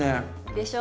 でしょ。